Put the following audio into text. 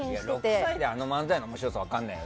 ６歳であの漫才の面白さ分かんねえだろ。